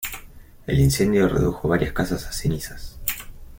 El incendio redujo varias casas a cenizas.